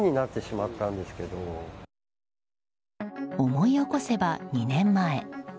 思い起こせば２年前。